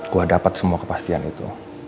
gue dapat semua kepastian itu